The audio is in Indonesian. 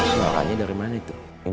suaranya dari mana itu